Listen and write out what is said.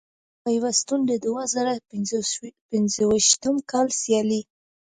اسلامي پیوستون د دوه زره پنځویشتم کال سیالۍ